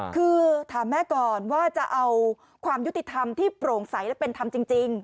คือถามแม่ก่อนว่าจะเอาความยุติธรรมที่โปร่งใสและเป็นธรรมจริง